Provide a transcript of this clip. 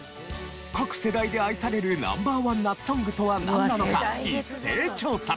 各世代で愛されるＮｏ．１夏ソングとはなんなのか一斉調査！